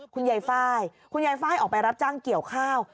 คุณยายฟ้ายคุณยายฟ้ายออกไปรับจ้างเกี่ยวข้าว